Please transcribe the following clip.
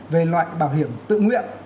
về loại bảo hiểm tự nguyện